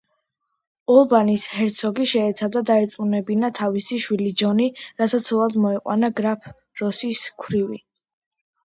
ოლბანის ჰერცოგი შეეცადა დაერწმუნებინა თავისი შვილი ჯონი, რათა ცოლად მოეყვანა გრაფ როსის ქვრივი.